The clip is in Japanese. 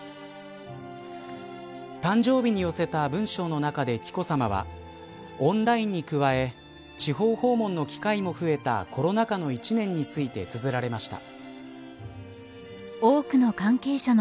誕生日に寄せた文章の中で紀子さまはオンラインに加え地方訪問の機会も増えたコロナ禍の１年についてつづられました。